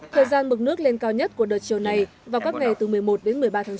thời gian mực nước lên cao nhất của đợt chiều này vào các ngày từ một mươi một đến một mươi ba tháng chín